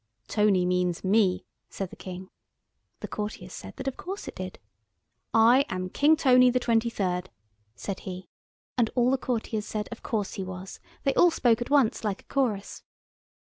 "Tony means Me," said the King. The courtiers said that of course it did. "I am King Tony XXIII.," said he. And the courtiers said of course he was. They all spoke at once like a chorus.